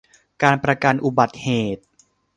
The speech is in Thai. การประกันอุบัติเหตุ